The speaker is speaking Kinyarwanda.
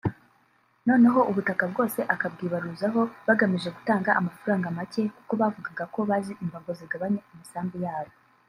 noneho ubutaka bwose akabwibaruzaho bagamije gutanga amafaranga make kuko bavugaga ko bazi imbago zigabanya amasambu yabo